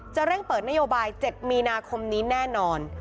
เร่งเปิดนโยบาย๗มีนาคมนี้แน่นอน